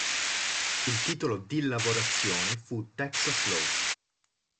Il titolo di lavorazione fu "Texas Law".